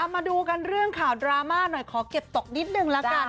มาดูกันเรื่องข่าวดราม่าหน่อยขอเก็บตกนิดนึงละกัน